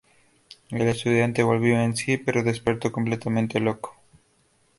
El estudiante volvió en sí, pero despertó completamente loco...